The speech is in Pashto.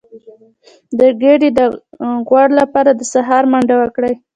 د ګیډې د غوړ لپاره د سهار منډه وکړئ